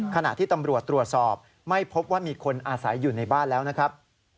ขณะที่ตำรวจตรวจสอบไม่พบว่ามีคนอาศัยอยู่ในบ้านแล้วนะครับ